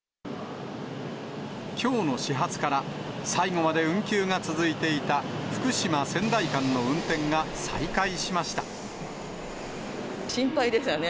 きょうの始発から、最後まで運休が続いていた、福島・仙台間の運心配でしたね。